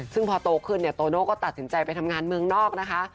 ซึ่งพอโตขึ้นเนี่ยโตโน่ก็ตัดสินใจไปทำงานเมืองนอกนะคะ